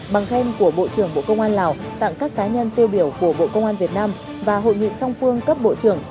bằng khen của bộ trưởng bộ công an lào tặng các cá nhân tiêu biểu của bộ công an việt nam và hội nghị song phương cấp bộ trưởng